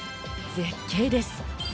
絶景です。